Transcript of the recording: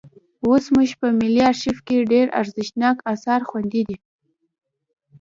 اوس زموږ په ملي ارشیف کې ډېر ارزښتناک اثار خوندي دي.